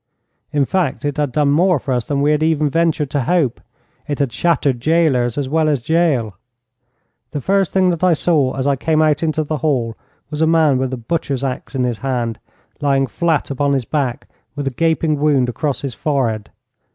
In fact, it had done more for us than we had even ventured to hope. It had shattered gaolers as well as gaol. The first thing that I saw as I came out into the hall was a man with a butcher's axe in his hand, lying flat upon his back, with a gaping wound across his forehead.